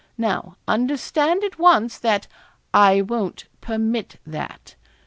Now, understand at once, that I won't permit that.